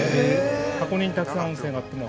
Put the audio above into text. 箱根にたくさん温泉があっても。